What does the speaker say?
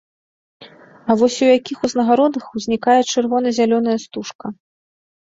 А вось у якіх узнагародах узнікае чырвона-зялёная стужка?